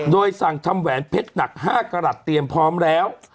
โดยสั่งทำแหวนเพชรหนัก๕กรัฐเตรียมพร้อมแล้ว